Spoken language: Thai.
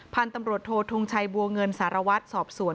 พันธ์ตำรวจโธทุงชัยบังเกินศาลวัฒน์สอบส่วน